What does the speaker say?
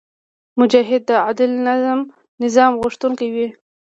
مجاهد د عادل نظام غوښتونکی وي.